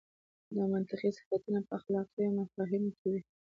دا منطقي صفتونه په اخلاقي مفاهیمو کې وي.